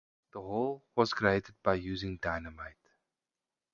The hall was created by using dynamite.